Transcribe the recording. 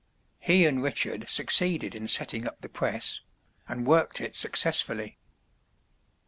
He and Richard succeeded in setting up the press, and worked it successfully.